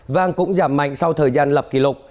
vàng cũng giảm mạnh sau thời gian lập kỷ lục